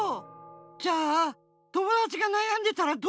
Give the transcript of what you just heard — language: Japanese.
じゃあ友だちがなやんでたらどうするの？